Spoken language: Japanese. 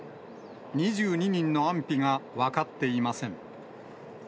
２２人の安否が分かっていません。